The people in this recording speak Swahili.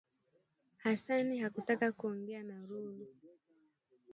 Hasani hakutaka kuongea na Lulu